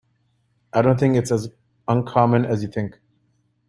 I don't think it's as uncommon as you think.